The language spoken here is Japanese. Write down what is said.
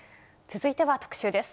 続いては特集です。